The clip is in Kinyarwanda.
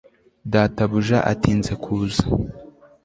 databuja atinze kuza